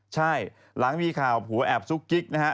ใช่หลังมีข่าวผัวแอบซุกกิ๊กนะฮะ